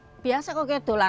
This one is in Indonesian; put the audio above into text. ya biasa kok gitu lah